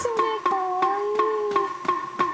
かわいい。